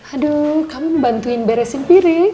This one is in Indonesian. aduh kamu ngebantuin beresin piring